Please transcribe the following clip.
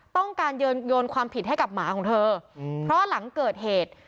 ต้องการโยนความผิดให้กับหมาของเธอเพราะหลังเกิดเหตุ